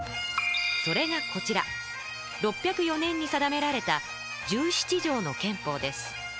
それがこちら６０４年に定められた「十七条の憲法」です。